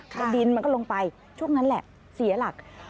แล้วดินมันก็ลงไปช่วงนั้นแหละเสียหลัก